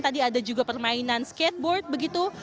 tadi ada juga permainan skateboard begitu